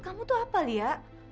kamu tuh apa lia